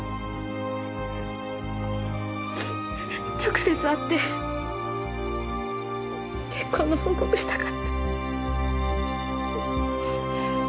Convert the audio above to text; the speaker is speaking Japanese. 直接会って結婚の報告したかった。